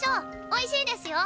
おいしいですよ。